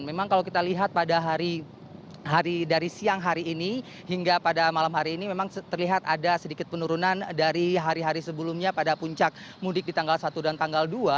memang kalau kita lihat pada hari dari siang hari ini hingga pada malam hari ini memang terlihat ada sedikit penurunan dari hari hari sebelumnya pada puncak mudik di tanggal satu dan tanggal dua